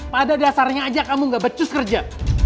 pada dasarnya aja kamu gak becus kerja